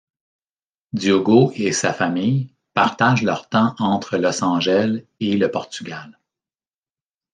Diogo et sa famille partagent leur temps entre Los Angeles et le Portugal.